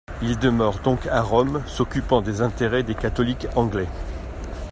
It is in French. Il demeure donc à Rome s'occupant des intérêts des catholiques anglais.